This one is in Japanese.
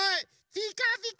ピカピカ。